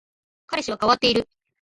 彼氏は変わっている